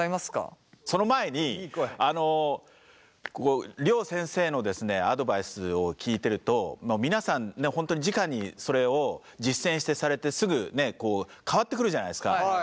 その前に両先生のですねアドバイスを聞いてると皆さん本当にじかにそれを実践されてすぐ変わってくるじゃないですか。